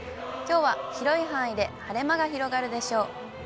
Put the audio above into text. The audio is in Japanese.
きょうは広い範囲で晴れ間が広がるでしょう。